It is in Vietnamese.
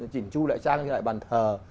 chỉnh chu lại trang như lại bàn thờ